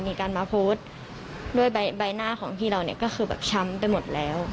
มีการมาโพสต์ด้วยใบหน้าของพี่เราเนี่ยก็คือแบบช้ำไปหมดแล้ว